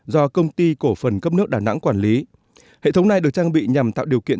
do công ty cổ phần cấp nước đà nẵng quản lý hệ thống này được trang bị nhằm tạo điều kiện